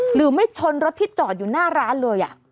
หรือไม่ชนรถที่จอดอยู่หน้าร้านเลย